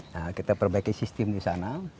nah kita perbaiki sistem di sana